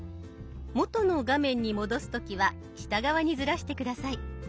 元の画面に戻す時は下側にずらして下さい。